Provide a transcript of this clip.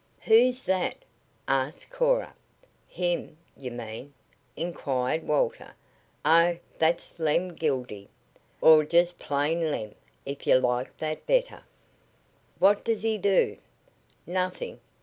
"Who's that?" asked Cora. "Him, you mean?" inquired Walter. "Oh, that's Lem Gildy. Or just plain Lem, if you like that better." "What does he do?" "Nothing.